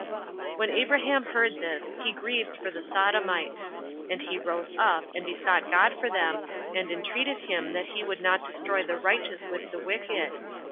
3. When Abraham heard this, he was grieved for the Sodomites; and he rose up, and besought God for them, and entreated him that he would not destroy the righteous with the wicked.